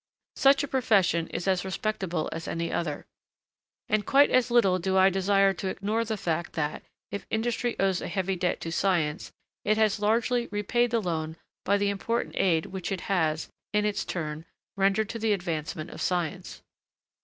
Such a profession is as respectable as any other. And quite as little do I desire to ignore the fact that, if industry owes a heavy debt to science, it has largely repaid the loan by the important aid which it has, in its turn, rendered to the advancement of science.